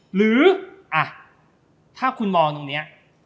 หรือถ้าคุณมองตรงนี้